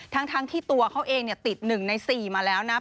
ทั้งที่ตัวเขาเองติด๑ใน๔มาแล้วนะ